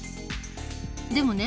でもね